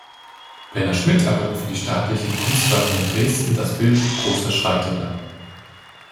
Werner Schmidt erwirbt für die Staatlichen Kunstsammlungen Dresden das Bild "Großer Schreitender".